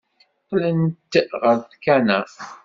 Qqlent ɣer tkanna.